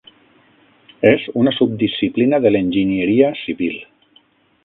És una subdisciplina de l'enginyeria civil.